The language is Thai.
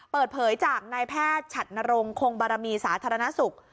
เปิดเผยจากนายแพทย์ฉัดนรงคงบารมีสาธารณสุข